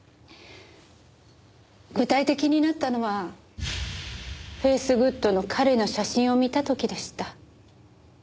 具体的になったのはフェイスグッドの彼の写真を見た時でした。